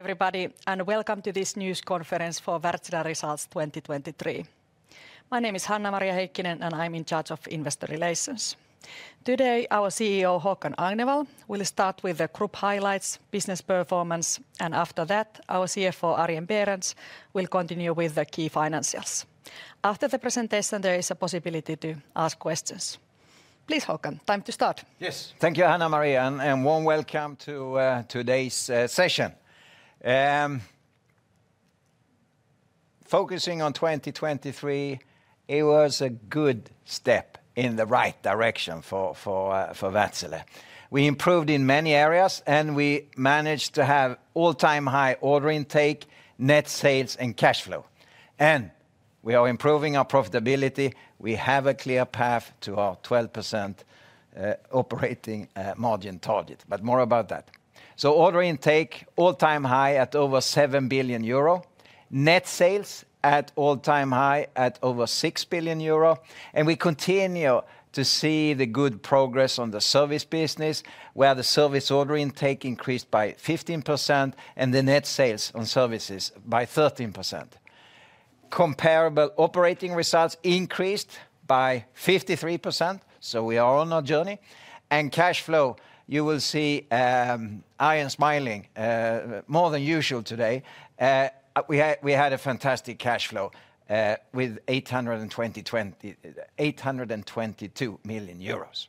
Everybody, and welcome to this news conference for Wärtsilä Results 2023. My name is Hanna-Maria Heikkinen, and I'm in charge of investor relations. Today, our CEO, Håkan Agnevall, will start with the group highlights, business performance, and after that, our CFO, Arjen Berends, will continue with the key financials. After the presentation, there is a possibility to ask questions. Please, Håkan, time to start. Yes. Thank you, Hanna-Maria, and warm welcome to today's session. Focusing on 2023, it was a good step in the right direction for Wärtsilä. We improved in many areas, and we managed to have all-time high order intake, net sales, and cash flow. We are improving our profitability. We have a clear path to our 12% operating margin target, but more about that. Order intake, all-time high at over 7 billion euro. Net sales at all-time high at over 6 billion euro, and we continue to see the good progress on the service business, where the service order intake increased by 15% and the net sales on services by 13%. Comparable operating results increased by 53%, so we are on our journey. Cash flow, you will see, I am smiling more than usual today. We had a fantastic cash flow with 822 million euros.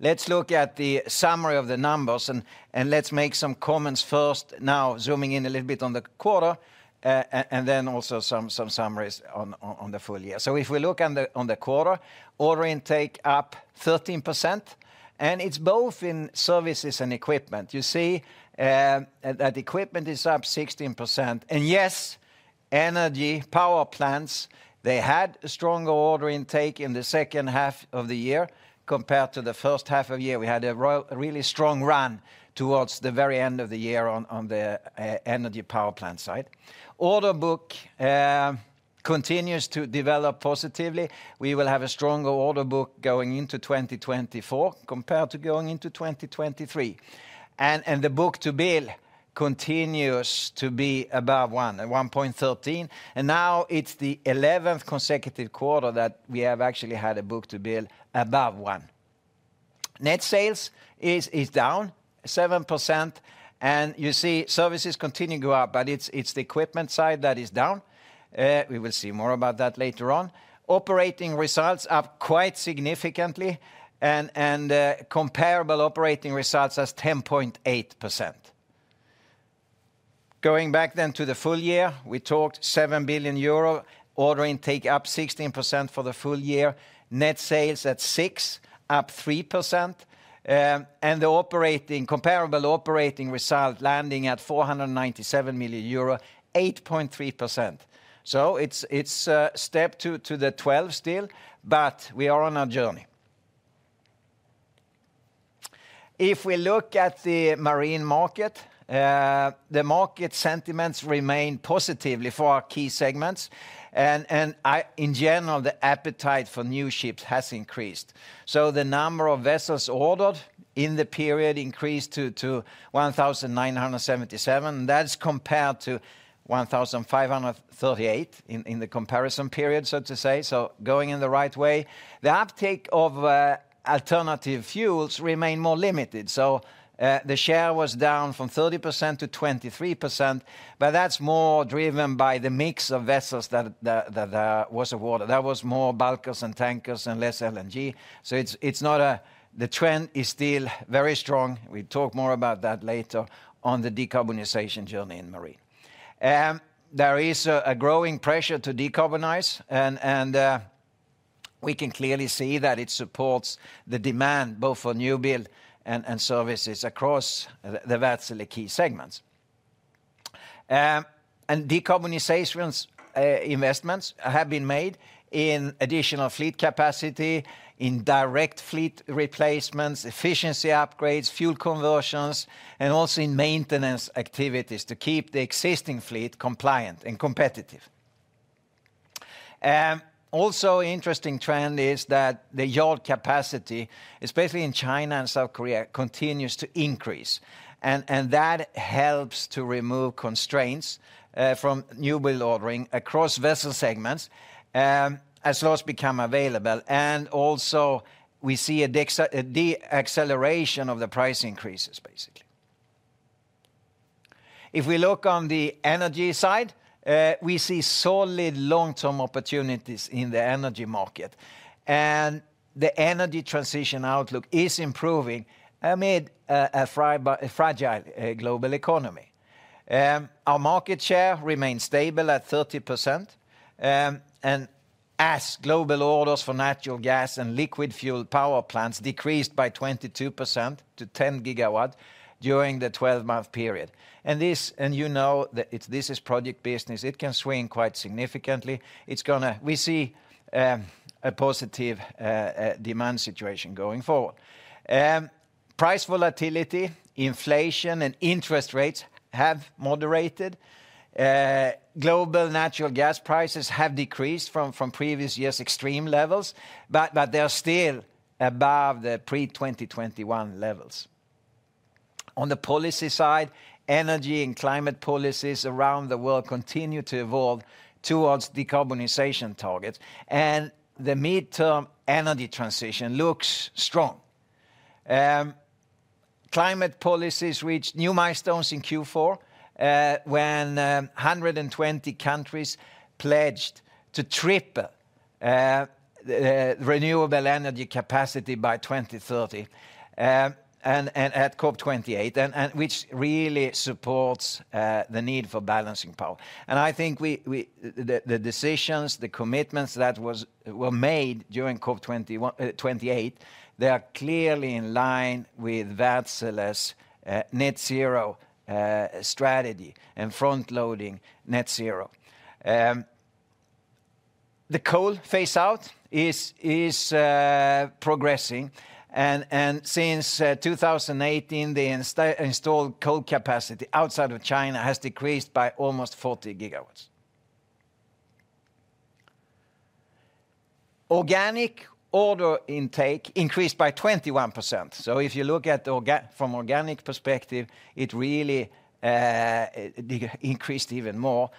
Let's look at the summary of the numbers, and let's make some comments first, now zooming in a little bit on the quarter, and then also some summaries on the full year. If we look on the quarter, order intake up 13%, and it's both in services and equipment. You see, that equipment is up 16%. Yes, energy, power plants, they had a stronger order intake in the second half of the year compared to the first half of the year. We had a really strong run towards the very end of the year on the energy power plant side. Order book continues to develop positively. We will have a stronger order book going into 2024 compared to going into 2023. And the book-to-bill continues to be above one, at 1.13, and now it's the 11th consecutive quarter that we have actually had a book-to-bill above one. Net sales is down 7%, and you see services continue to go up, but it's the equipment side that is down. We will see more about that later on. Operating results up quite significantly, and comparable operating results as 10.8%. Going back then to the full year, we talked 7 billion euro, order intake up 16% for the full year, net sales at 6 billion, up 3%, and the operating, comparable operating result landing at 497 million euro, 8.3%. So it's, it's, step two to the 12 still, but we are on our journey. If we look at the marine market, the market sentiments remain positively for our key segments, and, and in general, the appetite for new ships has increased. So the number of vessels ordered in the period increased to, to 1,977. That's compared to 1,538 in, in the comparison period, so to say, so going in the right way. The uptake of, alternative fuels remain more limited. So, the share was down from 30% to 23%, but that's more driven by the mix of vessels that was ordered. That was more bulkers and tankers and less LNG. So it's not a, the trend is still very strong. We'll talk more about that later on the decarbonization journey in marine. There is a growing pressure to decarbonize, and we can clearly see that it supports the demand both for newbuild and services across the Wärtsilä key segments. And decarbonization's investments have been made in additional fleet capacity, in direct fleet replacements, efficiency upgrades, fuel conversions, and also in maintenance activities to keep the existing fleet compliant and competitive. Also interesting trend is that the yard capacity, especially in China and South Korea, continues to increase, and that helps to remove constraints from newbuild ordering across vessel segments, as those become available. And also, we see a deceleration of the price increases, basically. If we look on the energy side, we see solid long-term opportunities in the energy market, and the energy transition outlook is improving amid a fragile global economy. Our market share remains stable at 30%, and as global orders for natural gas and liquid fuel power plants decreased by 22% to 10 GW during the 12-month period. And this, and you know that this is project business. It can swing quite significantly. It's gonna. We see a positive demand situation going forward. Price volatility, inflation, and interest rates have moderated. Global natural gas prices have decreased from previous years' extreme levels, but they are still above the pre-2021 levels. On the policy side, energy and climate policies around the world continue to evolve towards decarbonization targets, and the midterm energy transition looks strong. Climate policies reached new milestones in Q4, when 120 countries pledged to triple the renewable energy capacity by 2030, and at COP28, which really supports the need for balancing power. And I think the decisions, the commitments that was, were made during COP28, they are clearly in line with Wärtsilä's net zero strategy and front-loading net zero. The coal phase out is progressing, and since 2018, the installed coal capacity outside of China has decreased by almost 40 GW. Organic order intake increased by 21%. So if you look at from organic perspective, it really increased even more.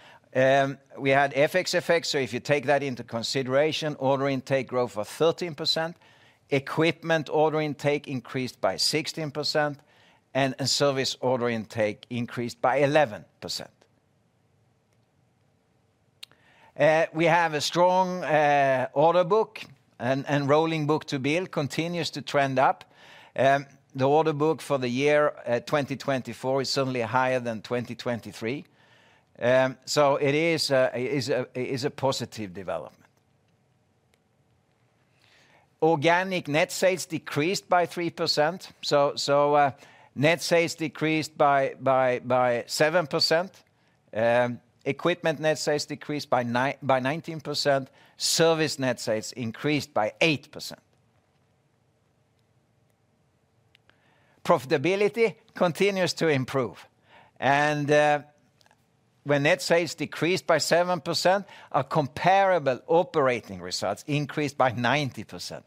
We had FX effects, so if you take that into consideration, order intake growth of 13%, equipment order intake increased by 16%, and service order intake increased by 11%. We have a strong order book, and rolling book-to-bill continues to trend up. The order book for the year 2024 is certainly higher than 2023. So it is a positive development. Organic net sales decreased by 3%, so net sales decreased by 7%. Equipment net sales decreased by 19%. Service net sales increased by 8%. Profitability continues to improve, and when net sales decreased by 7%, our comparable operating results increased by 90%.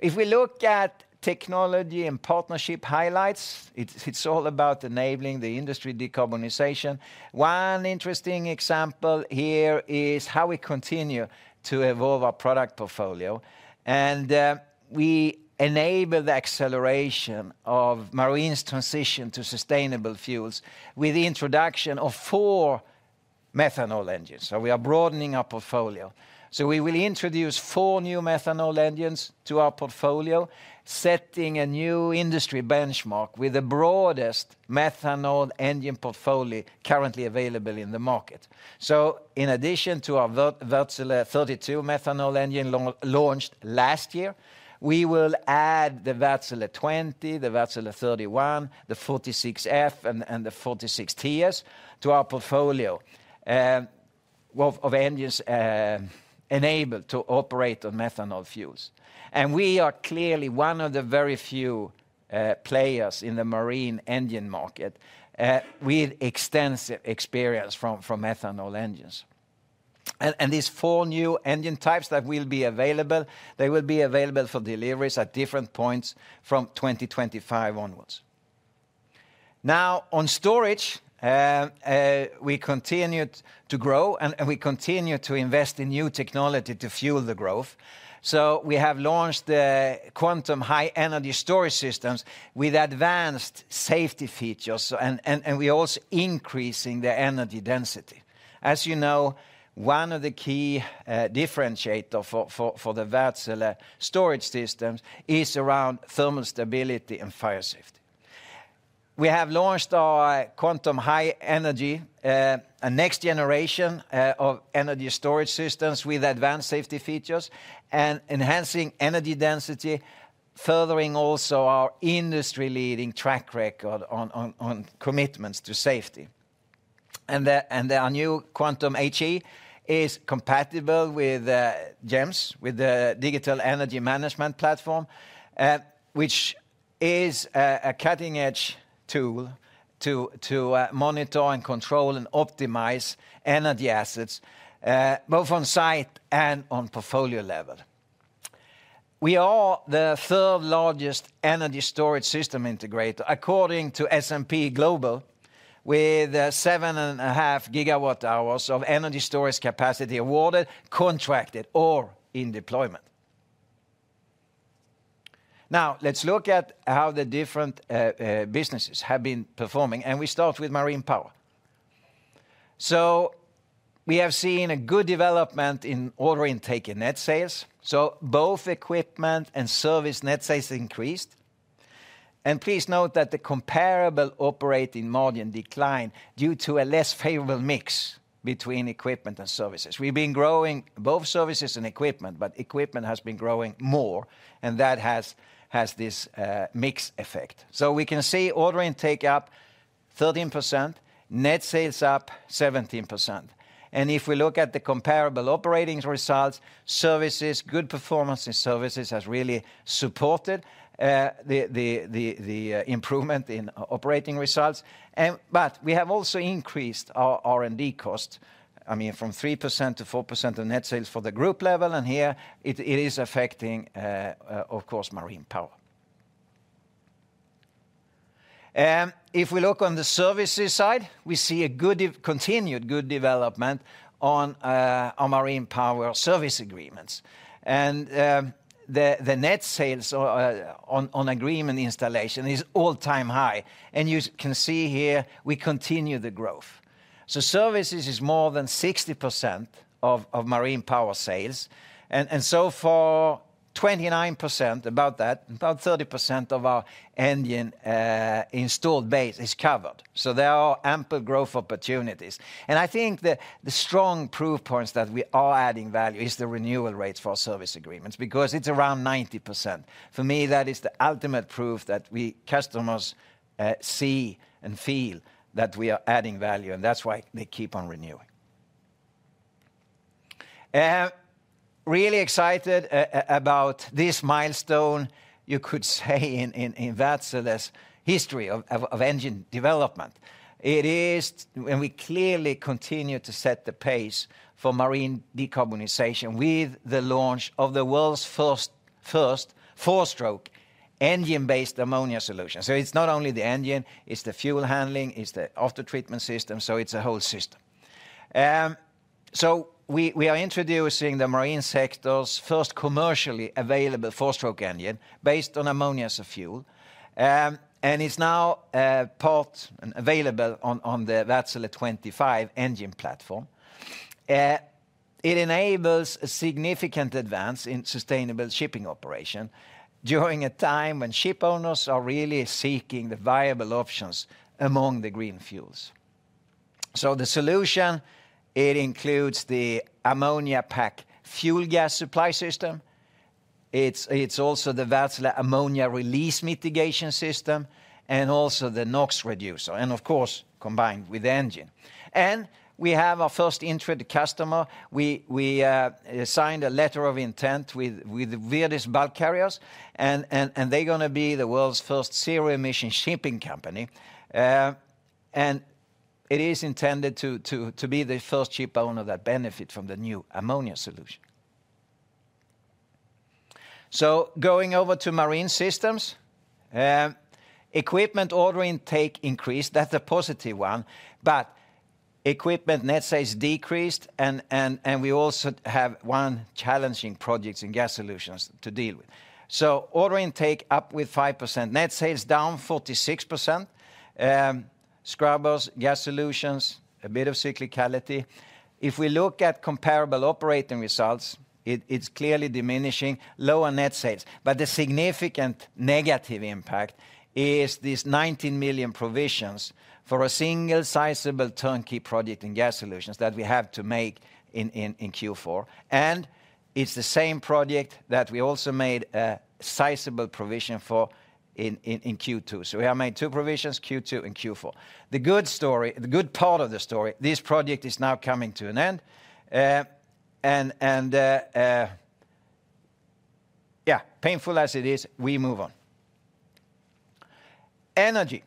If we look at technology and partnership highlights, it's all about enabling the industry decarbonization. One interesting example here is how we continue to evolve our product portfolio, and we enable the acceleration of marine's transition to sustainable fuels with the introduction of four methanol engines. So we are broadening our portfolio. So we will introduce four new methanol engines to our portfolio, setting a new industry benchmark with the broadest methanol engine portfolio currently available in the market. So in addition to our Wärtsilä 32 Methanol engine launched last year, we will add the Wärtsilä 20, the Wärtsilä 31, the 46F, and the 46TS to our portfolio of engines enabled to operate on methanol fuels. We are clearly one of the very few players in the marine engine market with extensive experience from methanol engines. And these four new engine types that will be available, they will be available for deliveries at different points from 2025 onwards. Now, on storage, we continued to grow, and we continue to invest in new technology to fuel the growth. So we have launched the Quantum High Energy storage systems with advanced safety features, and we're also increasing the energy density. As you know, one of the key differentiator for the Wärtsilä storage systems is around thermal stability and fire safety. We have launched our Quantum High Energy, a next generation of energy storage systems with advanced safety features and enhancing energy density, furthering also our industry-leading track record on commitments to safety. And our new Quantum HE is compatible with GEMS, with the Digital Energy Management Platform, which is a cutting-edge tool to monitor and control and optimize energy assets, both on-site and on portfolio level. We are the third largest energy storage system integrator, according to S&P Global, with 7.5 GWh of energy storage capacity awarded, contracted, or in deployment. Now, let's look at how the different businesses have been performing, and we start with Marine Power. So we have seen a good development in order intake and net sales, so both equipment and service net sales increased. Please note that the comparable operating margin declined due to a less favorable mix between equipment and services. We've been growing both services and equipment, but equipment has been growing more, and that has this mix effect. We can see order intake up 13%, net sales up 17%. If we look at the comparable operating results, services good performance in services has really supported the improvement in operating results, but we have also increased our R&D costs, I mean, from 3% to 4% of net sales for the group level, and here it is affecting, of course, marine power. If we look on the services side, we see a good continued good development on Marine Power service agreements. And the net sales on agreement installation is all-time high, and you can see here we continue the growth. So services is more than 60% of Marine Power sales, and so for 29%, about that, about 30% of our engine installed base is covered. So there are ample growth opportunities. And I think the strong proof points that we are adding value is the renewal rates for our service agreements, because it's around 90%. For me, that is the ultimate proof that we customers see and feel that we are adding value, and that's why they keep on renewing. Really excited about this milestone, you could say, in Wärtsilä's history of engine development. It is. We clearly continue to set the pace for marine decarbonization with the launch of the world's first four-stroke engine-based ammonia solution. So it's not only the engine, it's the fuel handling, it's the after-treatment system, so it's a whole system. So we are introducing the marine sector's first commercially available four-stroke engine based on ammonia as a fuel. And it's now part and available on the Wärtsilä 25 engine platform. It enables a significant advance in sustainable shipping operation during a time when ship owners are really seeking the viable options among the green fuels. So the solution, it includes the AmmoniaPac fuel gas supply system. It's also the Wärtsilä Ammonia Release Mitigation System, and also the NOx Reducer, and of course, combined with the engine. And we have our first entered customer. We signed a letter of intent with Viridis Bulk Carriers, and they're gonna be the world's first zero-emission shipping company. And it is intended to be the first ship owner that benefit from the new ammonia solution. So going over to marine systems, equipment order intake increased. That's a positive one, but equipment net sales decreased, and we also have one challenging project in gas solutions to deal with. So order intake up with 5%, net sales down 46%. Scrubbers, gas solutions, a bit of cyclicality. If we look at comparable operating results, it's clearly diminishing, lower net sales. But the significant negative impact is this 19 million provisions for a single sizable turnkey project in gas solutions that we have to make in Q4. And it's the same project that we also made a sizable provision for in Q2. So we have made two provisions, Q2 and Q4. The good story, the good part of the story, this project is now coming to an end, and, yeah, painful as it is, we move on. Energy.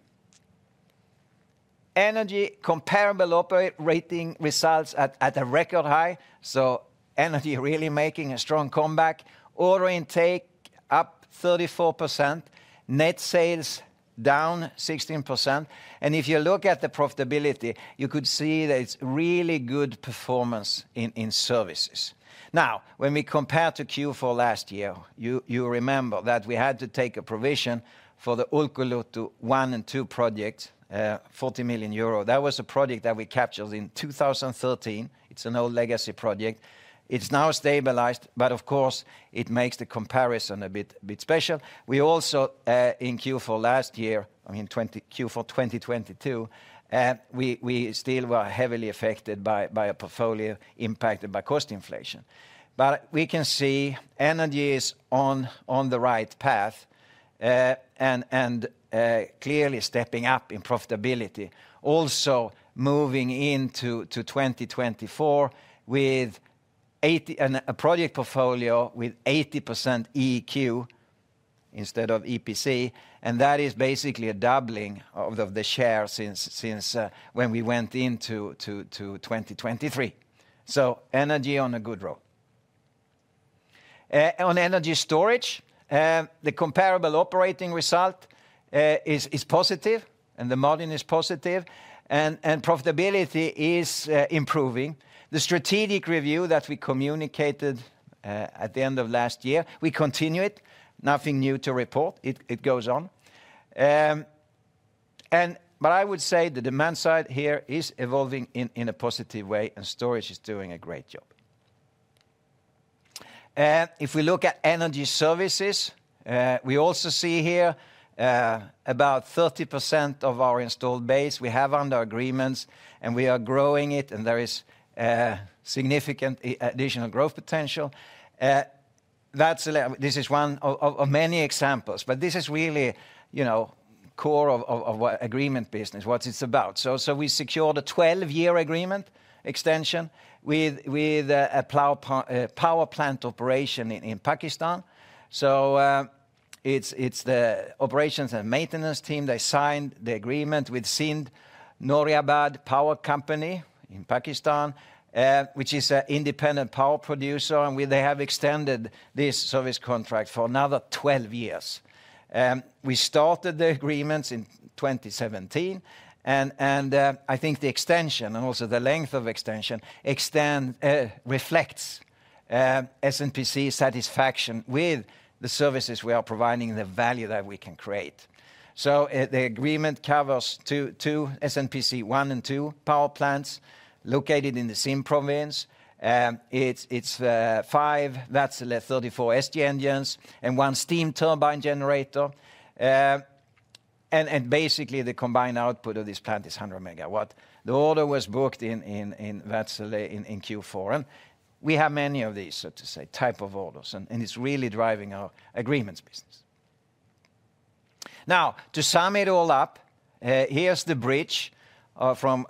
Energy, comparable operating results at a record high, so energy really making a strong comeback. Order intake up 34%, net sales down 16%. And if you look at the profitability, you could see that it's really good performance in services. Now, when we compare to Q4 last year, you remember that we had to take a provision for the Olkiluoto 1 and 2 projects, 40 million euro. That was a project that we captured in 2013. It's an old legacy project. It's now stabilized, but of course, it makes the comparison a bit special. We also in Q4 last year, I mean, Q4 2022, we still were heavily affected by a portfolio impacted by cost inflation. But we can see energy is on the right path, and clearly stepping up in profitability. Also, moving into 2024 with 80%... and a project portfolio with 80% EQ instead of EPC, and that is basically a doubling of the share since when we went into 2023. So energy on a good road. On energy storage, the comparable operating result is positive, and the margin is positive, and profitability is improving. The strategic review that we communicated at the end of last year, we continue it. Nothing new to report. It goes on. But I would say the demand side here is evolving in a positive way, and storage is doing a great job. If we look at energy services, we also see here about 30% of our installed base we have under agreements, and we are growing it, and there is significant additional growth potential. This is one of many examples, but this is really, you know, core of our agreement business, what it's about. So we secured a 12-year agreement extension with a power plant operation in Pakistan. So it's the operations and maintenance team, they signed the agreement with Sindh Nooriabad Power Company in Pakistan, which is an independent power producer, and they have extended this service contract for another 12 years. We started the agreements in 2017, and I think the extension and also the length of extension extend reflects SNPC's satisfaction with the services we are providing and the value that we can create. So the agreement covers two SNPC one and two power plants located in the same province. It's five, that's the 34SG engines and 1 steam turbine generator. And basically, the combined output of this plant is 100 MW. The order was booked in, that's in Q4, and we have many of these, so to say, type of orders, and it's really driving our agreements business. Now, to sum it all up, here's the bridge from,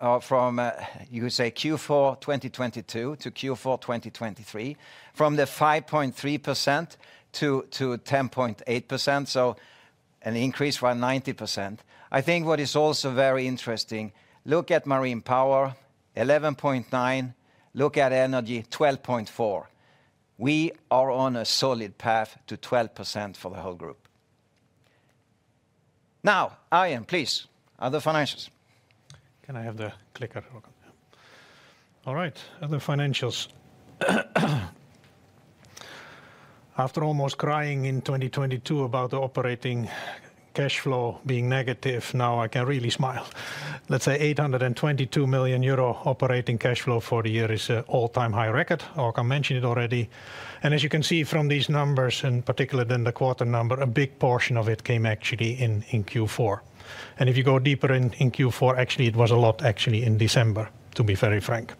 you could say Q4 2022 to Q4 2023, from the 5.3% to 10.8%, so an increase by 90%. I think what is also very interesting, look at marine power, 11.9. Look at energy, 12.4. We are on a solid path to 12% for the whole group. Now, Arjen, please, other financials. Can I have the clicker? Okay. All right, other financials. After almost crying in 2022 about the operating cash flow being negative, now I can really smile. Let's say 822 million euro operating cash flow for the year is an all-time high record. Håkan mentioned it already, and as you can see from these numbers, and particularly than the quarter number, a big portion of it came actually in, in Q4. And if you go deeper in, in Q4, actually, it was a lot, actually, in December, to be very frank.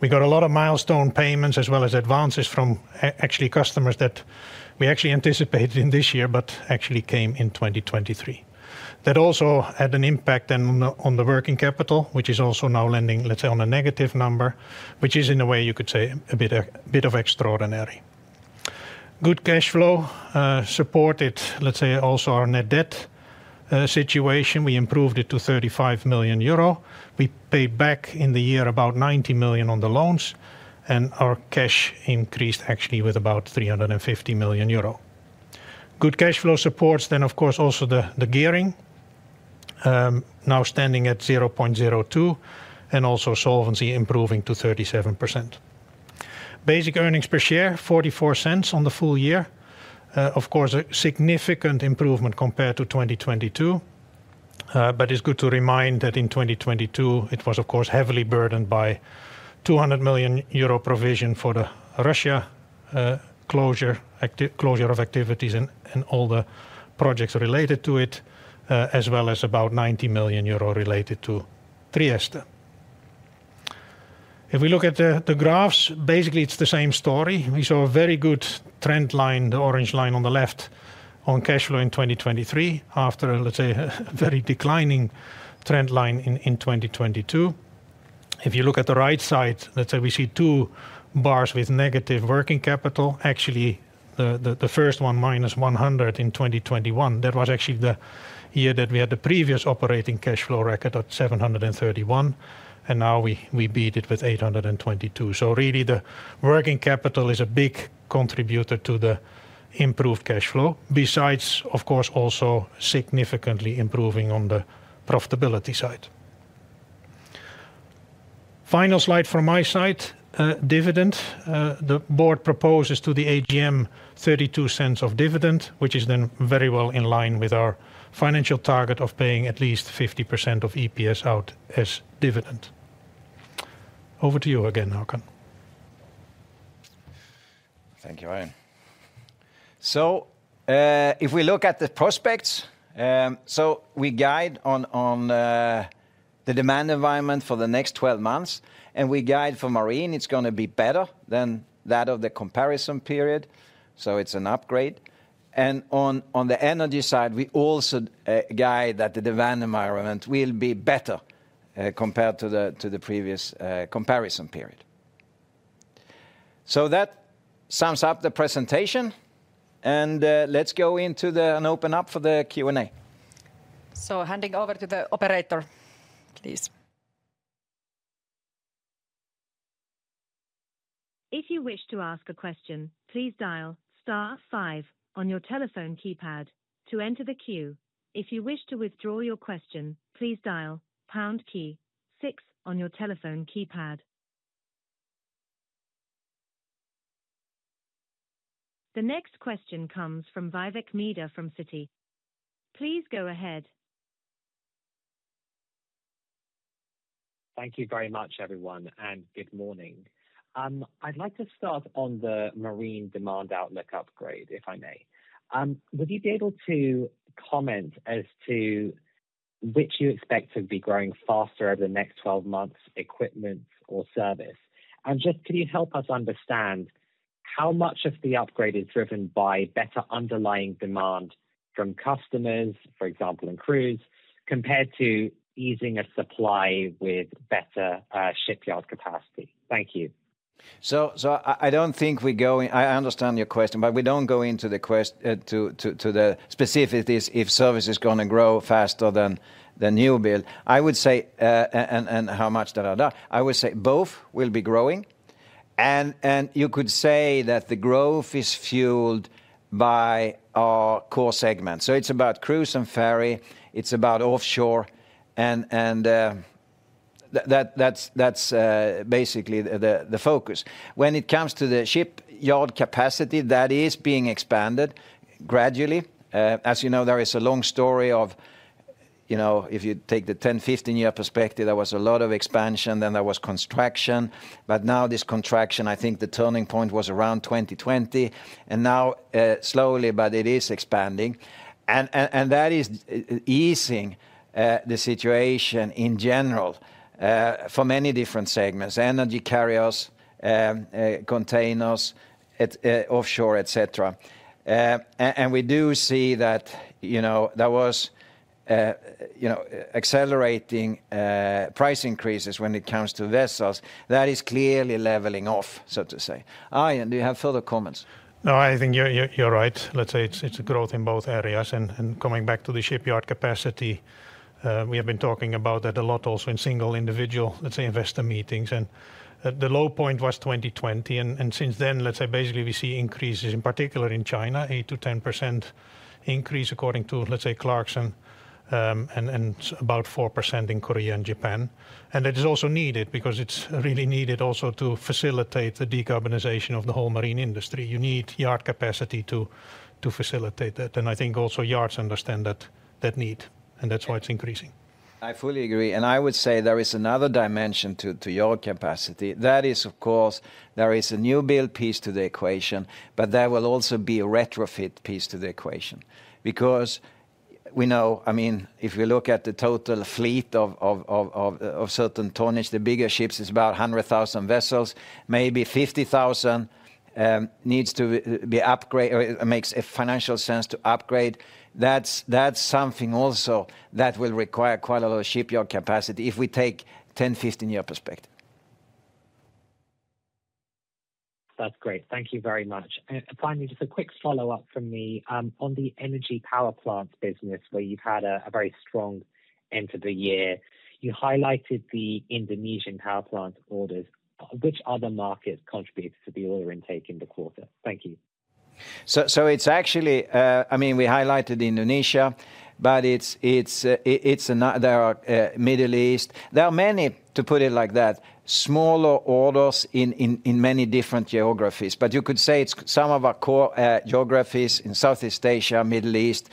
We got a lot of milestone payments, as well as advances from actually customers that we actually anticipated in this year, but actually came in 2023. That also had an impact on the, on the working capital, which is also now landing, let's say, on a negative number, which is, in a way, you could say, a bit, a bit of extraordinary. Good cashflow supported, let's say, also our net debt situation. We improved it to 35 million euro. We paid back in the year about 90 million on the loans, and our cash increased actually with about 350 million euro. Good cashflow supports, then, of course, also the, the gearing, now standing at 0.02, and also solvency improving to 37%. Basic earnings per share, 0.44 on the full year. Of course, a significant improvement compared to 2022. But it's good to remind that in 2022, it was, of course, heavily burdened by 200 million euro provision for the Russia closure of activities and all the projects related to it, as well as about 90 million euro related to Trieste. If we look at the graphs, basically it's the same story. We saw a very good trend line, the orange line on the left, on cash flow in 2023, after, let's say, a very declining trend line in 2022. If you look at the right side, let's say we see two bars with negative working capital. Actually, the first one, minus 100 in 2021, that was actually the year that we had the previous operating cash flow record at 731, and now we beat it with 822. So really, the working capital is a big contributor to the improved cash flow, besides, of course, also significantly improving on the profitability side. Final slide from my side, dividend. The board proposes to the AGM 0.02 of dividend, which is then very well in line with our financial target of paying at least 50% of EPS out as dividend. Over to you again, Håkan. Thank you, Arjen. If we look at the prospects, we guide on the demand environment for the next 12 months, and we guide for marine, it's gonna be better than that of the comparison period, so it's an upgrade. On the energy side, we also guide that the demand environment will be better compared to the previous comparison period. That sums up the presentation, and let's go into the... and open up for the Q&A. Handing over to the operator, please. If you wish to ask a question, please dial star five on your telephone keypad to enter the queue. If you wish to withdraw your question, please dial pound key six on your telephone keypad. The next question comes from Vivek Midha from Citi. Please go ahead. Thank you very much, everyone, and good morning. I'd like to start on the marine demand outlook upgrade, if I may. Would you be able to comment as to which you expect to be growing faster over the next 12 months, equipment or service? And just could you help us understand how much of the upgrade is driven by better underlying demand from customers, for example, in cruise, compared to easing of supply with better shipyard capacity? Thank you. I don't think we're going, I understand your question, but we don't go into the question of the specificities if service is gonna grow faster than newbuild. I would say and how much. I would say both will be growing. And you could say that the growth is fueled by our core segment. So it's about cruise and ferry, it's about offshore, and that that's basically the focus. When it comes to the shipyard capacity, that is being expanded gradually. As you know, there is a long story of, you know, if you take the 10, 15-year perspective, there was a lot of expansion, then there was contraction. But now this contraction, I think the turning point was around 2020, and now, slowly, but it is expanding. And that is easing the situation in general for many different segments, energy carriers, containers, offshore, et cetera. And we do see that, you know, there was, you know, accelerating price increases when it comes to vessels. That is clearly leveling off, so to say. Arjen, do you have further comments? No, I think you're right. Let's say it's a growth in both areas. And coming back to the shipyard capacity, we have been talking about that a lot also in single individual, let's say, investor meetings. And the low point was 2020, and since then, let's say basically we see increases, in particular in China, 8%-10% increase according to, let's say, Clarkson, and about 4% in Korea and Japan. And it is also needed because it's really needed also to facilitate the decarbonization of the whole marine industry. You need yard capacity to facilitate that, and I think also yards understand that need, and that's why it's increasing. I fully agree, and I would say there is another dimension to yard capacity. That is, of course, there is a newbuild piece to the equation, but there will also be a retrofit piece to the equation. Because we know, I mean, if we look at the total fleet of certain tonnage, the bigger ships, is about 100,000 vessels. Maybe 50,000 needs to be upgrade, or makes a financial sense to upgrade. That's something also that will require quite a lot of shipyard capacity if we take 10-15-year perspective. That's great. Thank you very much. And finally, just a quick follow-up from me. On the energy power plant business, where you've had a very strong end to the year, you highlighted the Indonesian power plant orders. Which other market contributes to the order intake in the quarter? Thank you. So, it's actually, I mean, we highlighted Indonesia, but it's another Middle East. There are many, to put it like that, smaller orders in many different geographies. But you could say it's some of our core geographies in Southeast Asia, Middle East,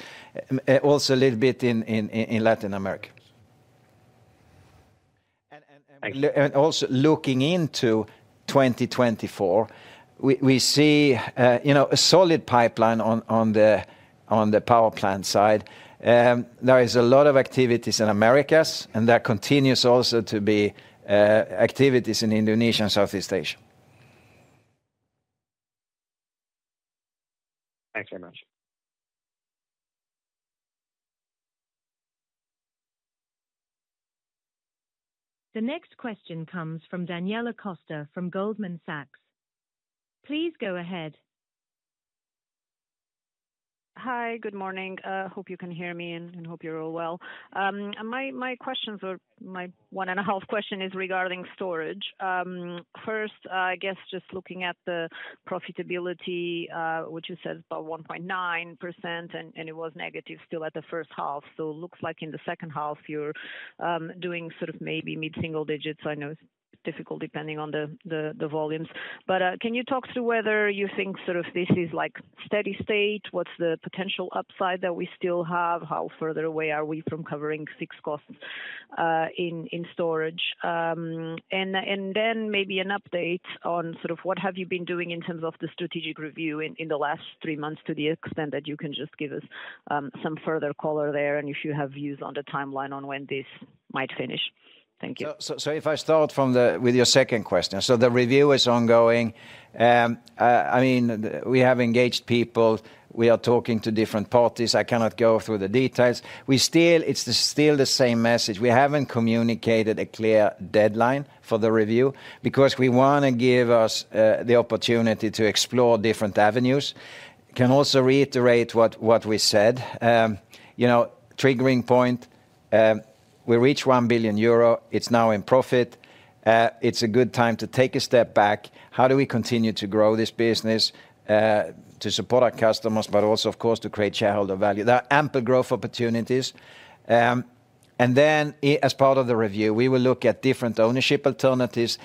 also a little bit in Latin America.Also looking into 2024, we see, you know, a solid pipeline on the power plant side. There is a lot of activities in Americas, and there continues also to be activities in Indonesia and Southeast Asia. Thanks very much. The next question comes from Daniela Costa from Goldman Sachs. Please go ahead. Hi, good morning. Hope you can hear me, and hope you're all well. My questions or my one and a half question is regarding storage. First, I guess just looking at the profitability, which you said is about 1.9%, and it was negative still at the first half. So looks like in the second half you're doing sort of maybe mid-single digits. I know it's difficult depending on the volumes. But, can you talk to whether you think sort of this is like steady state? What's the potential upside that we still have? How further away are we from covering fixed costs in storage? Then maybe an update on sort of what have you been doing in terms of the strategic review in the last three months, to the extent that you can just give us some further color there, and if you have views on the timeline on when this might finish? Thank you. So if I start with your second question, so the review is ongoing. I mean, we have engaged people. We are talking to different parties. I cannot go through the details. It's still the same message. We haven't communicated a clear deadline for the review because we wanna give us the opportunity to explore different avenues. I can also reiterate what we said. You know, triggering point, we reached 1 billion euro. It's now in profit. It's a good time to take a step back. How do we continue to grow this business to support our customers, but also, of course, to create shareholder value? There are ample growth opportunities. And then as part of the review, we will look at different ownership alternatives.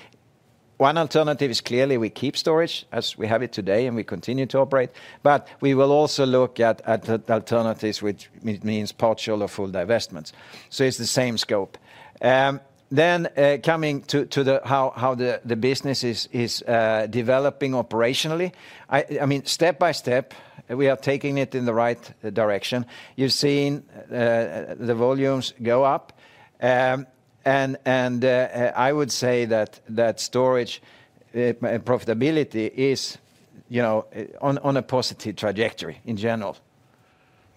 One alternative is clearly we keep storage as we have it today, and we continue to operate, but we will also look at alternatives, which means partial or full divestments. So it's the same scope. Then coming to the how the business is developing operationally, I mean, step by step, we are taking it in the right direction. You've seen the volumes go up, and I would say that storage profitability is, you know, on a positive trajectory in general.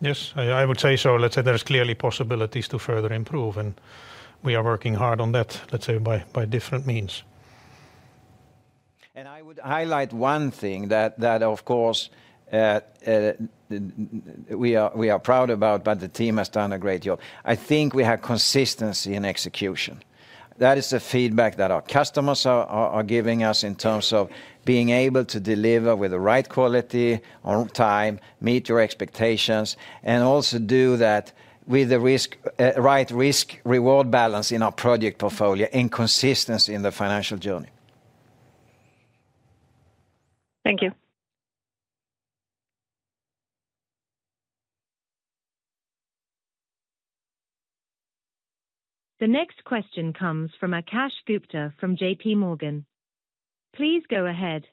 Yes, I would say so. Let's say there is clearly possibilities to further improve, and we are working hard on that, let's say, by different means. I would highlight one thing that of course we are proud about, but the team has done a great job. I think we have consistency in execution. That is the feedback that our customers are giving us in terms of being able to deliver with the right quality, on time, meet your expectations, and also do that with the right risk-reward balance in our project portfolio and consistency in the financial journey. Thank you. The next question comes from Akash Gupta from JPMorgan. Please go ahead.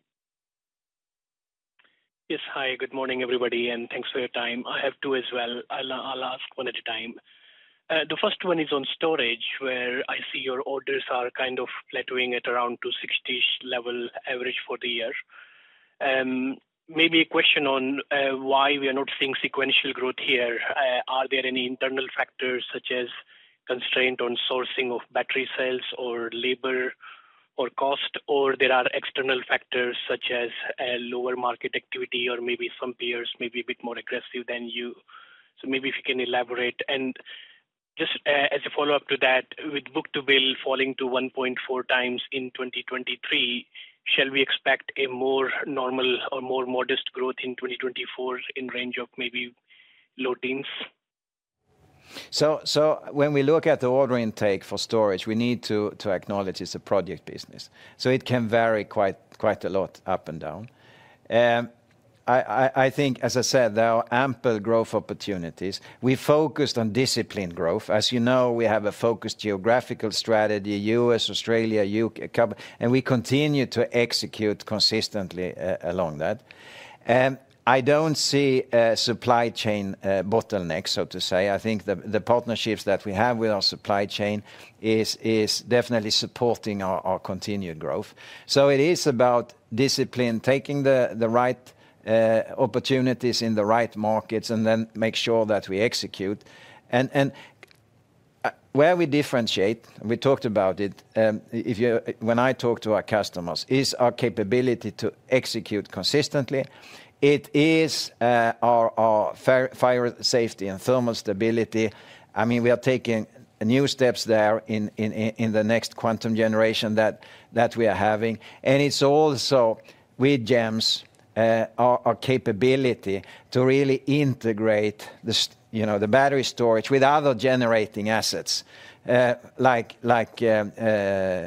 Yes. Hi, good morning, everybody, and thanks for your time. I have two as well. I'll, I'll ask one at a time. The first one is on storage, where I see your orders are kind of plateauing at around 260-ish level average for the year. Maybe a question on, why we are not seeing sequential growth here. Are there any internal factors, such as constraint on sourcing of battery cells or labor or cost, or there are external factors such as, lower market activity, or maybe some peers may be a bit more aggressive than you? So maybe if you can elaborate. And just, as a follow-up to that, with book-to-bill falling to 1.4 times in 2023, shall we expect a more normal or more modest growth in 2024 in range of maybe low teens? So when we look at the order intake for storage, we need to acknowledge it's a project business, so it can vary quite a lot up and down. I think, as I said, there are ample growth opportunities. We focused on disciplined growth. As you know, we have a focused geographical strategy, U.S., Australia, UK and we continue to execute consistently along that. And I don't see a supply chain bottleneck, so to say. I think the partnerships that we have with our supply chain is definitely supporting our continued growth. So it is about discipline, taking the right opportunities in the right markets, and then make sure that we execute. And where we differentiate, we talked about it, when I talk to our customers, is our capability to execute consistently. It is our fire safety and thermal stability. I mean, we are taking new steps there in the next Quantum generation that we are having. And it's also with GEMS, our capability to really integrate the you know, the battery storage with other generating assets, like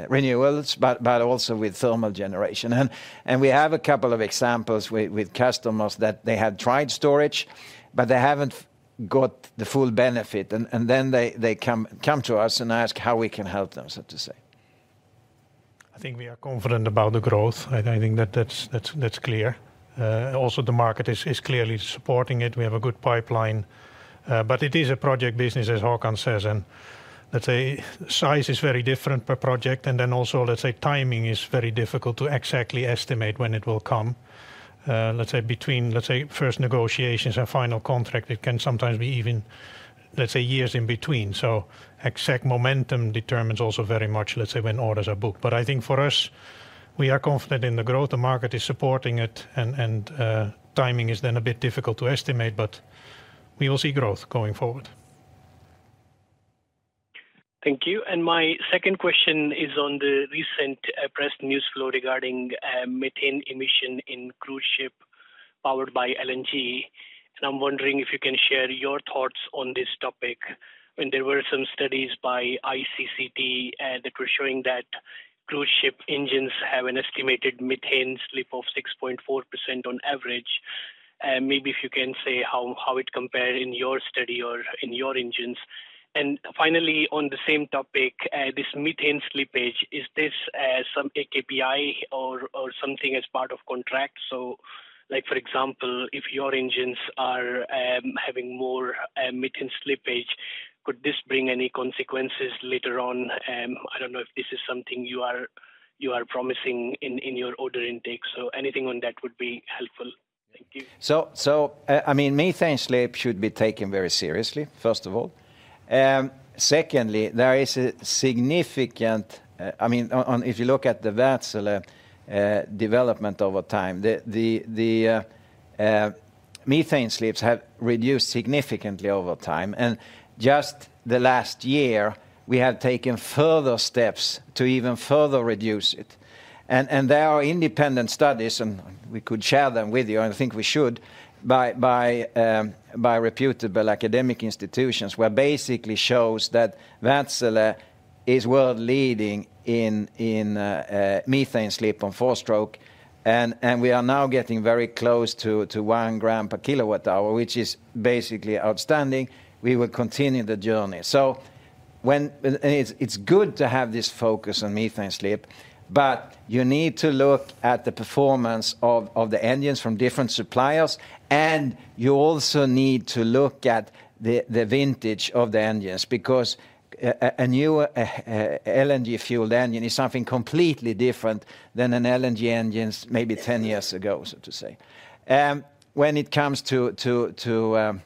renewables, but also with thermal generation. And we have a couple of examples with customers that they had tried storage, but they haven't got the full benefit, and then they come to us and ask how we can help them, so to say. I think we are confident about the growth. I think that that's clear. Also, the market is clearly supporting it. We have a good pipeline, but it is a project business, as Håkan says, and let's say size is very different per project, and then also, let's say, timing is very difficult to exactly estimate when it will come. Let's say between first negotiations and final contract, it can sometimes be even years in between. So exact momentum determines also very much when orders are booked. But I think for us, we are confident in the growth. The market is supporting it, and timing is then a bit difficult to estimate, but we will see growth going forward. Thank you. My second question is on the recent press news flow regarding methane emission in cruise ship powered by LNG. I'm wondering if you can share your thoughts on this topic. There were some studies by ICCT that were showing that cruise ship engines have an estimated methane slip of 6.4% on average. Maybe if you can say how it compared in your study or in your engines. Finally, on the same topic, this methane slippage, is this some KPI or something as part of contract? So like, for example, if your engines are having more methane slippage, could this bring any consequences later on? I don't know if this is something you are promising in your order intake, so anything on that would be helpful. Thank you. I mean, methane slip should be taken very seriously, first of all. Secondly, there is a significant. I mean, on if you look at the Wärtsilä development over time, methane slips have reduced significantly over time, and just the last year, we have taken further steps to even further reduce it. And there are independent studies, and we could share them with you, and I think we should, by reputable academic institutions, where basically shows that Wärtsilä is world-leading in methane slip on four-stroke. And we are now getting very close to 1 gram per kWh, which is basically outstanding. We will continue the journey. So when it's good to have this focus on methane slip, but you need to look at the performance of the engines from different suppliers, and you also need to look at the vintage of the engines, because a new LNG-fueled engine is something completely different than an LNG engine maybe 10 years ago, so to say. When it comes to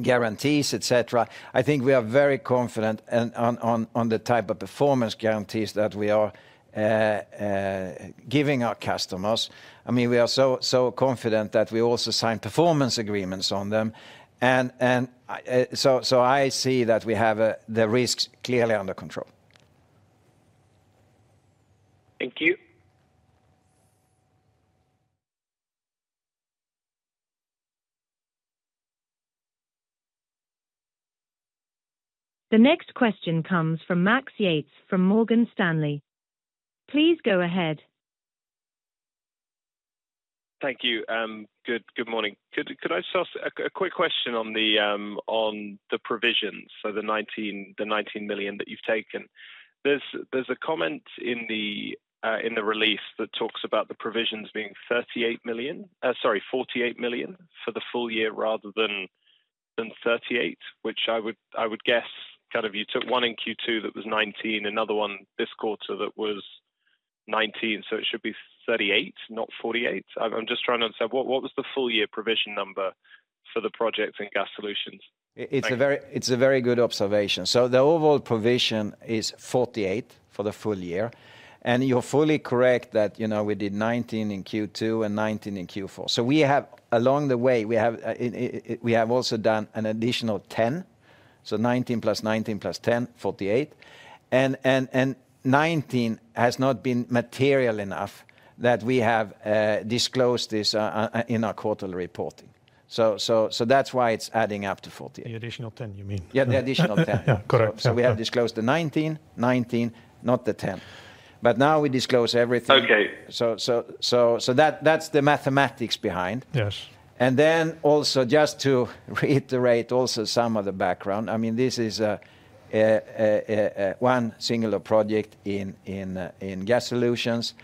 guarantees, et cetera. I think we are very confident on the type of performance guarantees that we are giving our customers. I mean, we are so confident that we also sign performance agreements on them. And so I see that we have the risks clearly under control. Thank you. The next question comes from Max Yates, from Morgan Stanley. Please go ahead. Thank you. Good morning. Could I just ask a quick question on the provisions, so the 19 million that you've taken? There's a comment in the release that talks about the provisions being 48 million for the full year rather than 38 million, which I would guess, kind of you took one in Q2, that was 19, another one this quarter that was 19, so it should be 38, not 48. I'm just trying to understand, what was the full year provision number for the projects in Gas Solutions? Thank you. It's a very, it's a very good observation. So the overall provision is 48 million for the full year, and you're fully correct that, you know, we did 19 in Q2 and 19 in Q4. So we have, along the way, we have, we have also done an additional 10, so 19 plus 19 plus 10, 48. And, and, and 19 has not been material enough that we have, disclosed this, in our quarterly reporting. So, so, so that's why it's adding up to 48. The additional 10, you mean? Yeah, the additional 10. Yeah. Correct. We have disclosed the 19, 19, not the 10. Now we disclose everything. Okay. So that, that's the mathematics behind. Yes. Then also just to reiterate some of the background. I mean, this is one singular project in gas solutions.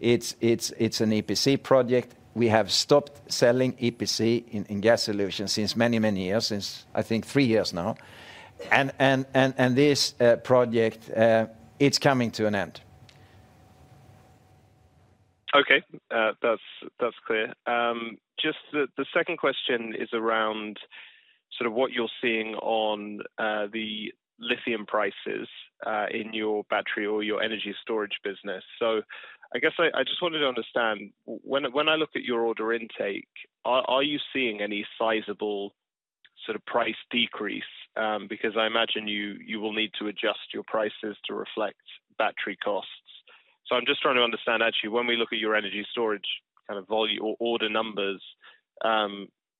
It's an EPC project. We have stopped selling EPC in gas solutions since many years, since I think three years now. And this project, it's coming to an end. Okay, that's clear. Just the second question is around sort of what you're seeing on the lithium prices in your battery or your energy storage business. So I guess I just wanted to understand, when I look at your order intake, are you seeing any sizable sort of price decrease? Because I imagine you will need to adjust your prices to reflect battery costs. So I'm just trying to understand, actually, when we look at your energy storage, kind of volume or order numbers,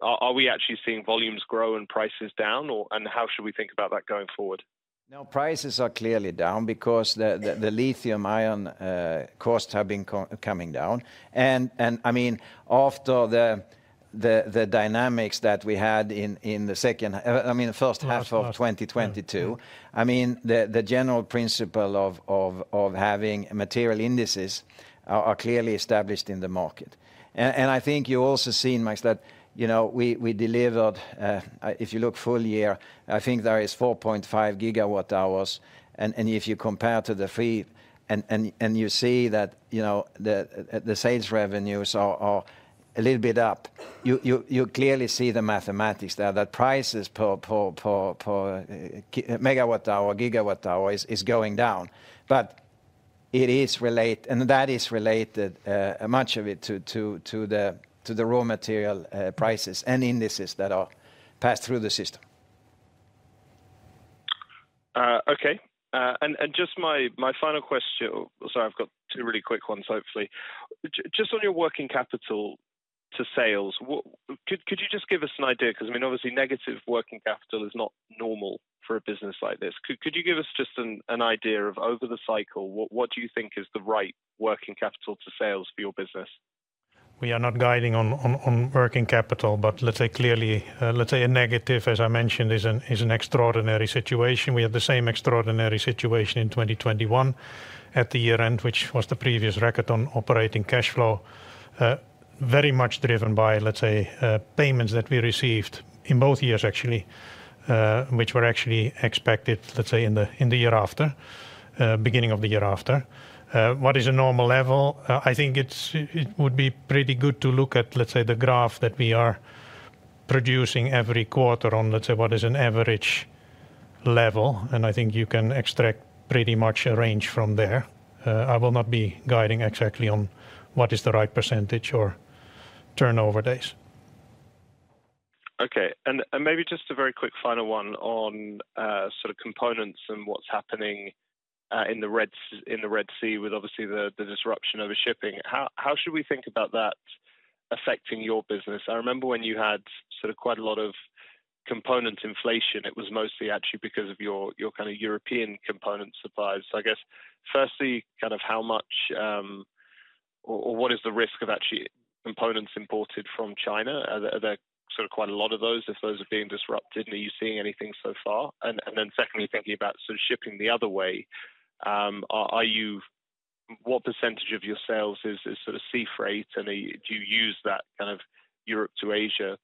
are we actually seeing volumes grow and prices down, or and how should we think about that going forward? Now, prices are clearly down because the lithium-ion costs have been coming down. And I mean, after the dynamics that we had in the first half of 2022, I mean, the general principle of having material indices are clearly established in the market. And I think you also seen, Max, that, you know, we delivered, if you look full year, I think there is 4.5 GWh. And if you compare to the three, and you see that, you know, the sales revenues are a little bit up, you clearly see the mathematics there, that prices per MWh or GWh is going down. But it is related, and that is related, much of it to the raw material prices and indices that are passed through the system. Okay. And just my final question. Sorry, I've got two really quick ones, hopefully. Just on your working capital to sales, what could you just give us an idea? Because, I mean, obviously, negative working capital is not normal for a business like this. Could you give us just an idea of over the cycle, what do you think is the right working capital to sales for your business? We are not guiding on working capital, but let's say clearly, let's say a negative, as I mentioned, is an extraordinary situation. We had the same extraordinary situation in 2021 at the year-end, which was the previous record on operating cash flow, very much driven by, let's say, payments that we received in both years, actually, which were actually expected, let's say, in the year after, beginning of the year after. What is a normal level? I think it would be pretty good to look at, let's say, the graph that we are producing every quarter on, let's say, what is an average level, and I think you can extract pretty much a range from there. I will not be guiding exactly on what is the right percentage or turnover days. Okay. And maybe just a very quick final one on sort of components and what's happening in the Red Sea, with obviously the disruption of the shipping. How should we think about that affecting your business? I remember when you had sort of quite a lot of component inflation, it was mostly actually because of your kind of European component supplies. So I guess, firstly, kind of how much or what is the risk of actually components imported from China? Are there sort of quite a lot of those, if those are being disrupted, are you seeing anything so far? And then secondly, thinking about sort of shipping the other way, are you, what percentage of your sales is sort of sea freight, and do you use that kind of Europe to Asia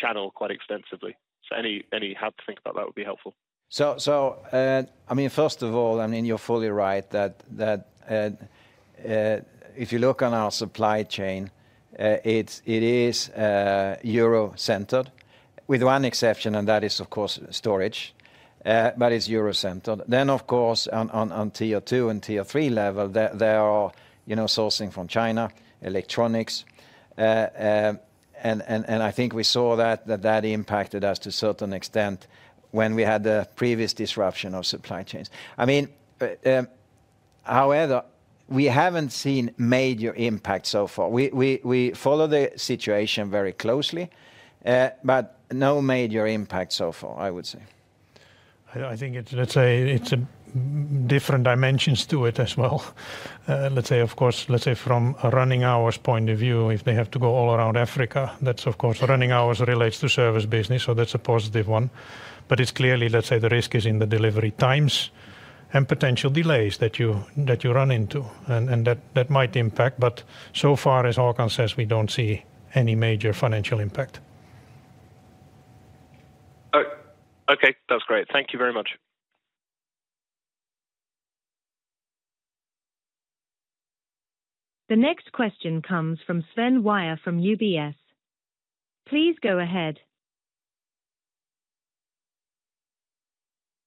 channel quite extensively? So any help to think about that would be helpful. So, I mean, first of all, I mean, you're fully right that if you look on our supply chain, it's Euro-centered, with one exception, and that is, of course, storage, but it's Euro-centered. Then, of course, on tier two and tier three level, there are, you know, sourcing from China, electronics. And I think we saw that impacted us to a certain extent when we had the previous disruption of supply chains. I mean, however, we haven't seen major impact so far. We follow the situation very closely, but no major impact so far, I would say. I think it's, let's say, it's different dimensions to it as well. Let's say, of course, let's say from a running hours point of view, if they have to go all around Africa, that's of course, running hours relates to service business, so that's a positive one. But it's clearly, let's say, the risk is in the delivery times and potential delays that you run into, and that might impact. But so far, as Håkan says, we don't see any major financial impact. Oh, okay. That's great. Thank you very much. The next question comes from Sven Weier from UBS. Please go ahead.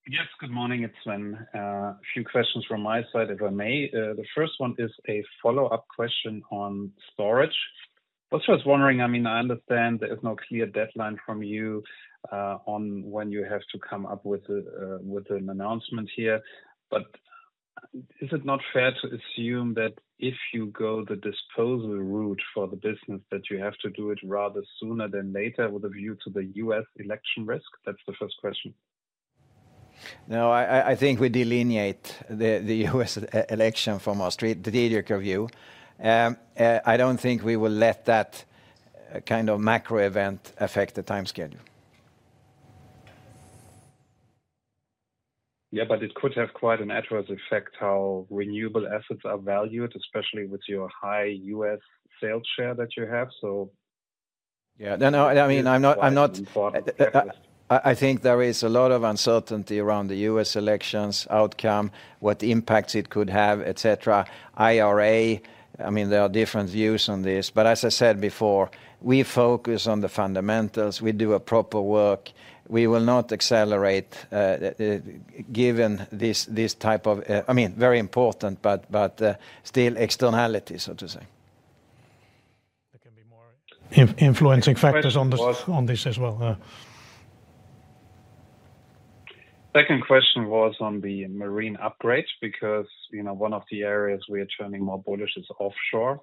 Yes, good morning, it's Sven. A few questions from my side, if I may. The first one is a follow-up question on storage. I was just wondering, I mean, I understand there is no clear deadline from you on when you have to come up with an announcement here. But is it not fair to assume that if you go the disposal route for the business, that you have to do it rather sooner than later with a view to the U.S. election risk? That's the first question. No, I think we delineate the U.S. election from our strategic review. I don't think we will let that kind of macro event affect the time schedule. Yeah, but it could have quite an adverse effect how renewable assets are valued, especially with your high U.S. sales share that you have, so- Yeah. No, no, I mean, I'm not, I'm not. [inaudible] I think there is a lot of uncertainty around the U.S. elections outcome, what impacts it could have, et cetera. IRA, I mean, there are different views on this, but as I said before, we focus on the fundamentals, we do a proper work. We will not accelerate, given this, this type of, I mean, very important, but still externality, so to say. There can be more influencing factors on this, on this as well. Second question was on the marine upgrades, because, you know, one of the areas we are turning more bullish is offshore.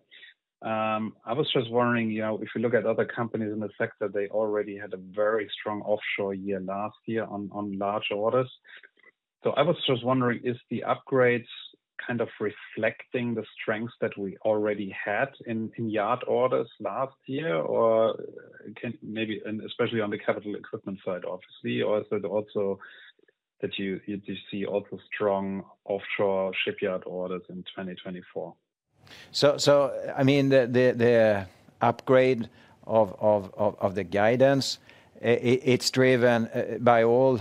I was just wondering, you know, if you look at other companies in the sector, they already had a very strong offshore year last year on large orders. So I was just wondering, is the upgrades kind of reflecting the strengths that we already had in yard orders last year, or can maybe, and especially on the capital equipment side, obviously, or is it also that you see also strong offshore shipyard orders in 2024? So, I mean, the upgrade of the guidance, it's driven by all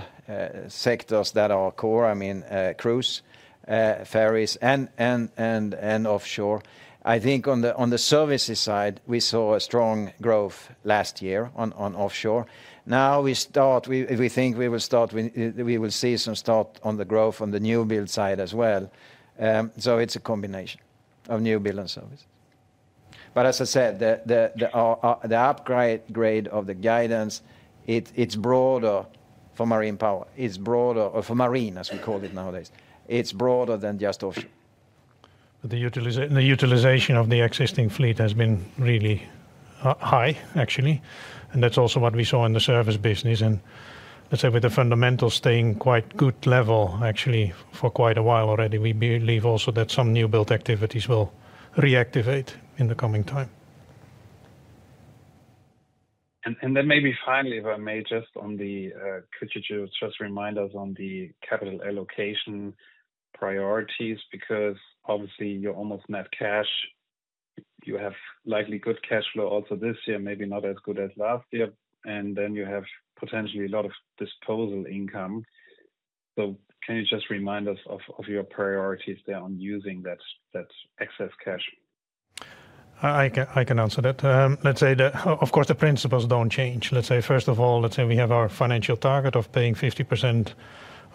sectors that are core. I mean, cruise, ferries, and offshore. I think on the services side, we saw a strong growth last year on offshore. Now, we think we will start with, we will see some start on the growth on the newbuild side as well. So it's a combination of newbuild and services. But as I said, the upgrade of the guidance, it's broader for marine power. It's broader for marine, as we call it nowadays. It's broader than just offshore. The utilization of the existing fleet has been really high, actually, and that's also what we saw in the service business. Let's say with the fundamentals staying quite good level, actually for quite a while already, we believe also that some new built activities will reactivate in the coming time. And then maybe finally, if I may, just on the, could you just remind us on the capital allocation priorities? Because obviously, you're almost net cash. You have likely good cash flow also this year, maybe not as good as last year, and then you have potentially a lot of disposal income. So can you just remind us of your priorities there on using that excess cash? I can answer that. Let's say that, of course, the principles don't change. Let's say, first of all, let's say we have our financial target of paying 50%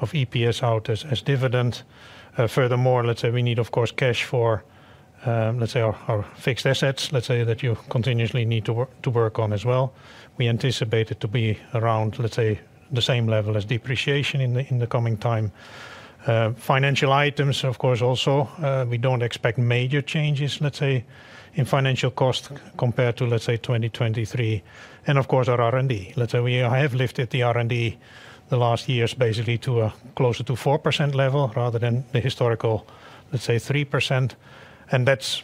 of EPS out as dividend. Furthermore, let's say we need, of course, cash for, let's say our fixed assets, let's say that you continuously need to work on as well. We anticipate it to be around, let's say, the same level as depreciation in the coming time. Financial items, of course, also, we don't expect major changes, let's say, in financial cost compared to, let's say, 2023, and of course, our R&D. Let's say we have lifted the R&D the last years, basically to a closer to 4% level rather than the historical, let's say, 3%, and that's-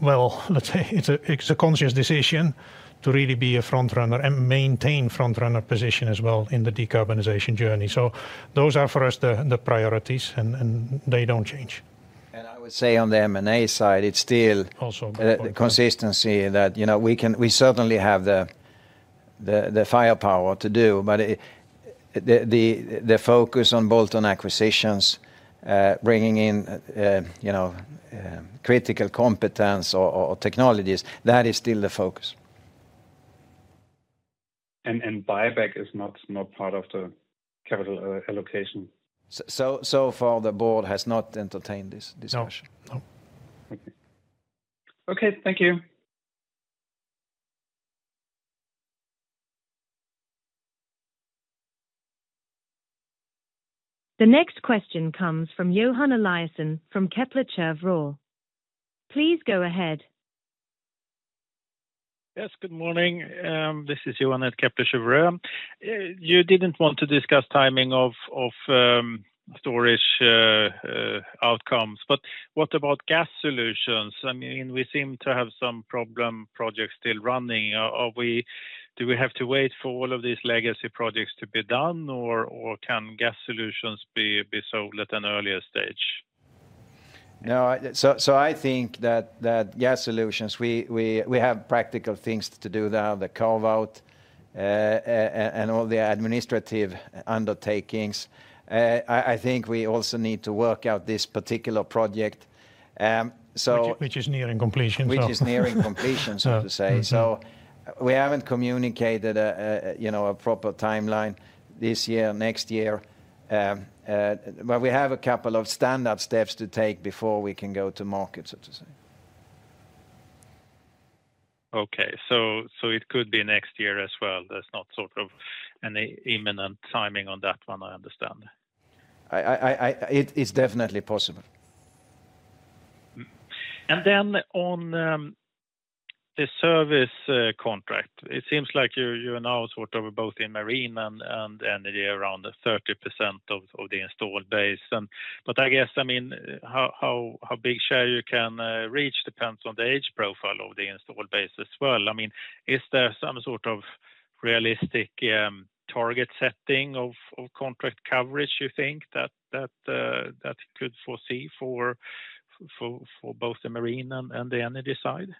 Well, let's say it's a conscious decision to really be a frontrunner and maintain frontrunner position as well in the decarbonization journey. So those are for us the priorities, and they don't change. I would say on the M&A side, it's still- Also a good point.... consistency that, you know, we can, we certainly have the firepower to do, but it, the focus on bolt-on acquisitions, bringing in, you know, critical competence or technologies, that is still the focus. Buyback is not part of the capital allocation? So far, the board has not entertained this discussion. Okay. Thank you. The next question comes from Johan Eliason from Kepler Cheuvreux. Please go ahead. Yes, good morning. This is Johan at Kepler Cheuvreux. You didn't want to discuss timing of storage outcomes, but what about gas solutions? I mean, we seem to have some problem projects still running. Do we have to wait for all of these legacy projects to be done, or can gas solutions be sold at an earlier stage? Yeah, so I think that gas solutions, we have practical things to do now, the carve-out, and all the administrative undertakings. I think we also need to work out this particular project. So- Which is nearing completion. Which is nearing completion, so to say. We haven't communicated, you know, a proper timeline, this year, next year. But we have a couple of standard steps to take before we can go to market, so to say. Okay. So, so it could be next year as well. There's not sort of any imminent timing on that one, I understand. It is definitely possible. And then on the service contract, it seems like you announced sort of both in marine and energy around 30% of the installed base. But I guess, I mean, how big share you can reach depends on the age profile of the installed base as well. I mean, is there some sort of realistic target setting of contract coverage, you think, that could foresee for both the marine and the energy side?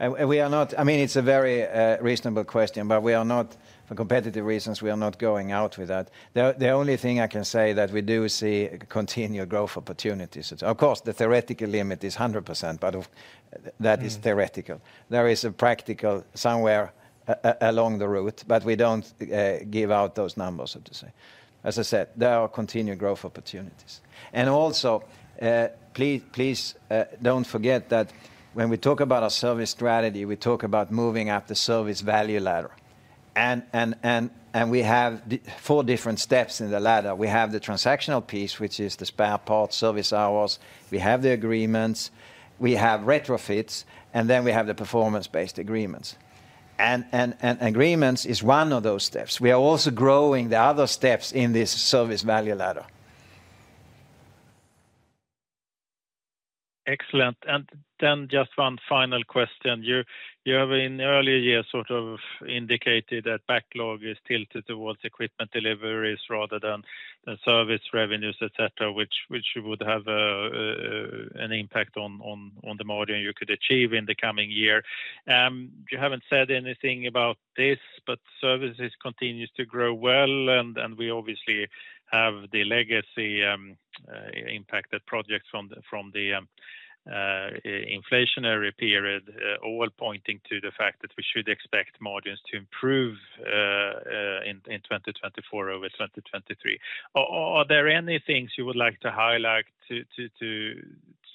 We are not, I mean, it's a very reasonable question, but we are not, for competitive reasons, we are not going out with that. The only thing I can say that we do see continued growth opportunities. Of course, the theoretical limit is 100%, but of. That is theoretical. There is a practical somewhere along the route, but we don't give out those numbers, so to say. As I said, there are continued growth opportunities. Also, please don't forget that when we talk about our service strategy, we talk about moving up the service value ladder, and we have the four different steps in the ladder. We have the transactional piece, which is the spare parts, service hours. We have the agreements, we have retrofits, and then we have the performance-based agreements. Agreements is one of those steps. We are also growing the other steps in this service value ladder. Excellent. Then just one final question: You have in the earlier years sort of indicated that backlog is tilted towards equipment deliveries rather than service revenues, et cetera, which would have an impact on the margin you could achieve in the coming year. You haven't said anything about this, but services continues to grow well, and we obviously have the legacy impacted projects from the inflationary period, all pointing to the fact that we should expect margins to improve in 2024 over 2023. Are there any things you would like to highlight to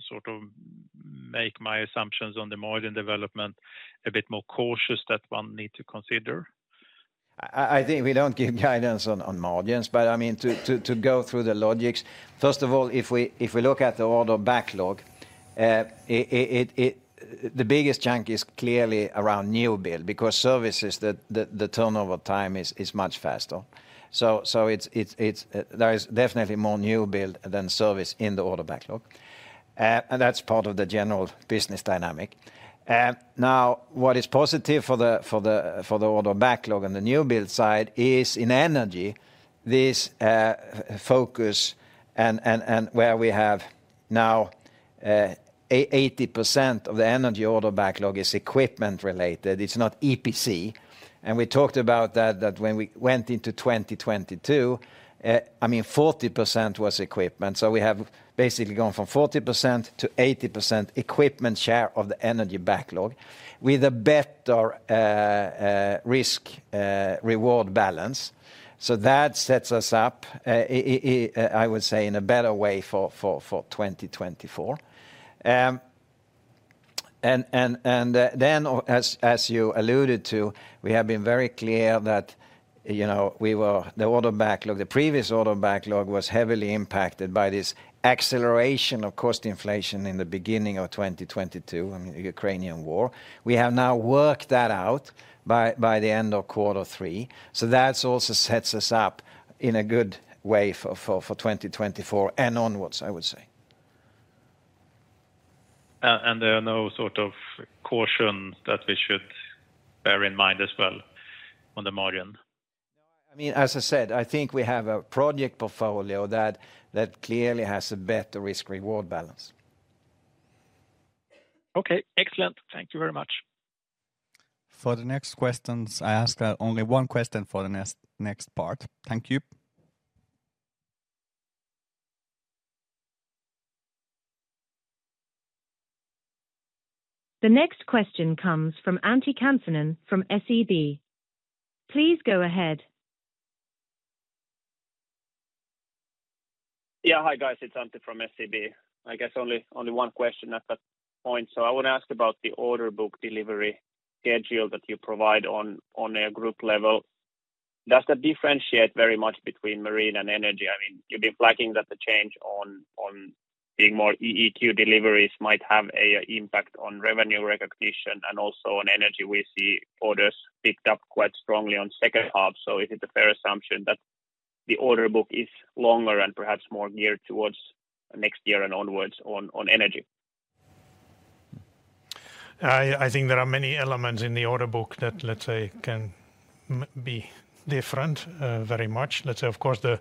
sort of make my assumptions on the margin development a bit more cautious that one need to consider? I think we don't give guidance on margins, but I mean, to go through the logics. First of all, if we look at the order backlog, the biggest chunk is clearly around newbuild, because services, the turnover time is much faster. So it's there is definitely more newbuild than service in the order backlog. And that's part of the general business dynamic. Now, what is positive for the order backlog on the newbuild side is in energy, this focus and where we have now 80% of the energy order backlog is equipment related. It's not EPC. And we talked about that when we went into 2022, I mean, 40% was equipment. So we have basically gone from 40%-80% equipment share of the energy backlog with a better risk reward balance. So that sets us up, I would say, in a better way for 2024. And then as you alluded to, we have been very clear that, you know, we were the order backlog, the previous order backlog was heavily impacted by this acceleration, of course, the inflation in the beginning of 2022, I mean, the Ukrainian war. We have now worked that out by the end of quarter three, so that also sets us up in a good way for 2024 and onwards, I would say. And there are no sort of caution that we should bear in mind as well on the margin? No. I mean, as I said, I think we have a project portfolio that clearly has a better risk/reward balance. Okay, excellent. Thank you very much. For the next questions, I ask only one question for the next, next part. Thank you. The next question comes from Antti Kansanen from SEB. Please go ahead. Yeah. Hi, guys, it's Antti from SEB. I guess only, only one question at that point. So I want to ask about the order book delivery schedule that you provide on a group level. Does that differentiate very much between marine and energy? I mean, you've been flagging that the change on being more EEQ deliveries might have a impact on revenue recognition and also on energy. We see orders picked up quite strongly on second half, so is it a fair assumption that the order book is longer and perhaps more geared towards next year and onwards on energy? I think there are many elements in the order book that, let's say, can be different very much. Let's say, of course, the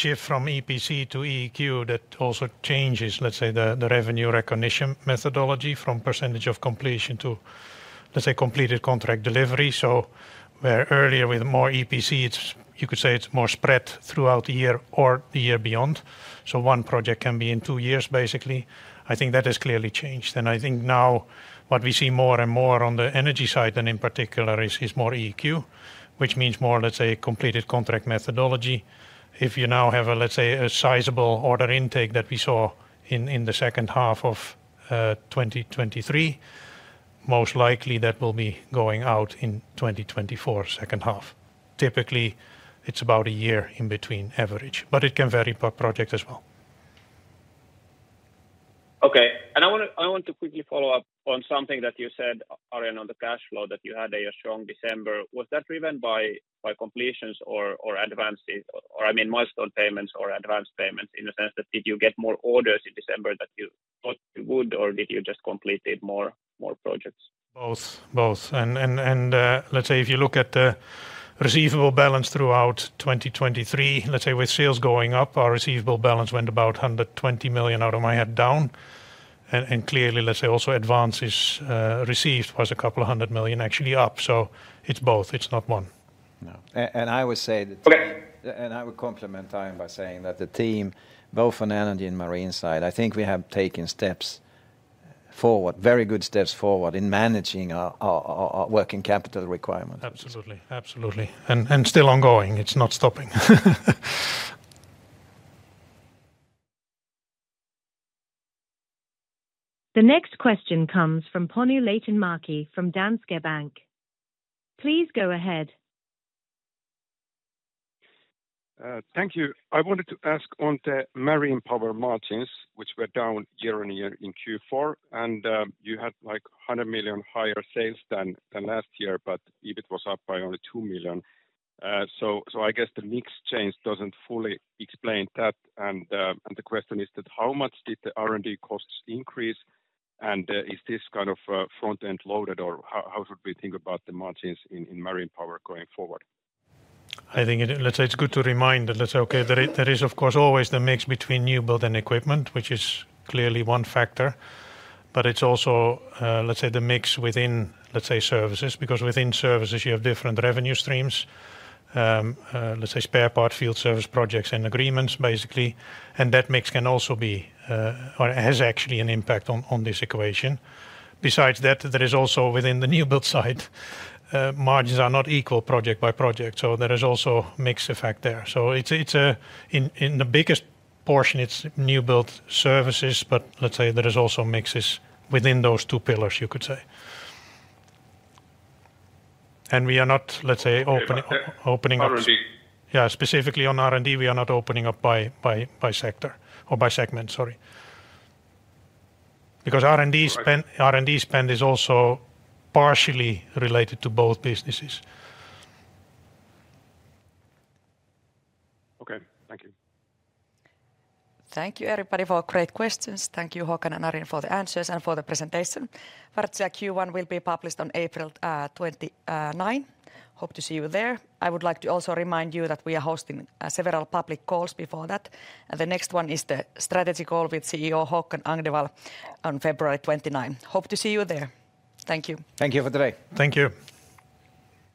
shift from EPC to EEQ, that also changes, let's say, the revenue recognition methodology from percentage of completion to, let's say, completed contract delivery. So where earlier with more EPC, it's you could say it's more spread throughout the year or the year beyond. So one project can be in two years, basically. I think that has clearly changed, and I think now what we see more and more on the energy side, and in particular, is more EEQ, which means more, let's say, completed contract methodology. If you now have a, let's say, a sizable order intake that we saw in the second half of 2023, most likely that will be going out in 2024, second half. Typically, it's about a year in between average, but it can vary per project as well. Okay. I want to quickly follow up on something that you said, Arjen, on the cash flow, that you had a strong December. Was that driven by completions or advances, or I mean, milestone payments or advance payments, in the sense that did you get more orders in December that you thought you would, or did you just completed more projects? Both. Both. And, and, let's say if you look at the receivable balance throughout 2023, let's say with sales going up, our receivable balance went about 120 million, out of my head, down. And clearly, let's say also advances received was a couple of 200 million actually up. So it's both, it's not one. No. And I would say that- Okay And I would compliment Arjen by saying that the team, both on energy and marine side, I think we have taken steps forward, very good steps forward in managing our working capital requirements. Absolutely. Absolutely. And, and still ongoing. It's not stopping. The next question comes from Panu Laitinmäki from Danske Bank. Please go ahead. Thank you. I wanted to ask on the marine power margins, which were down year-on-year in Q4, and you had, like, 100 million higher sales than last year, but EBIT was up by only 2 million. So I guess the mix change doesn't fully explain that. And the question is that how much did the R&D costs increase, and is this kind of front-end loaded, or how should we think about the margins in marine power going forward? I think it's good to remind that, let's say, okay, there is, of course, always the mix between newbuild and equipment, which is clearly one factor. But it's also, let's say, the mix within, let's say, services. Because within services you have different revenue streams, spare part, field service projects and agreements, basically, and that mix can also be, or it has actually an impact on this equation. Besides that, there is also within the newbuild side, margins are not equal project by project, so there is also mix effect there. So it's, it's, in the biggest portion, it's newbuild services, but let's say there is also mixes within those two pillars, you could say. And we are not, let's say, opening up- R&D. Yeah, specifically on R&D, we are not opening up by sector or by segment, sorry. Because R&D spend- All right R&D spend is also partially related to both businesses. Okay. Thank you. Thank you, everybody, for great questions. Thank you, Håkan and Arjen, for the answers and for the presentation. Wärtsilä Q1 will be published on April 29. Hope to see you there. I would like to also remind you that we are hosting several public calls before that, and the next one is the strategy call with CEO Håkan Agnevall on February 29. Hope to see you there. Thank you. Thank you for today. Thank you.